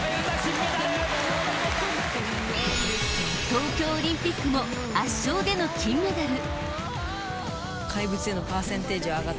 東京オリンピックも圧勝での金メダル。